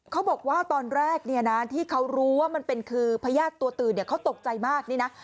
เขาบอกว่าตอนแรกเนี่ยนะที่เขารู้ว่ามันเป็นคือพญาติตัวตื่นเขาตกใจมากนี่นะ